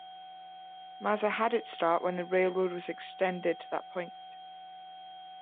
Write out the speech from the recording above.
Maza had its start when the railroad was extended to that point.